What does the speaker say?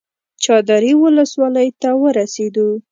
چادرې ولسوالۍ ته ورسېدو.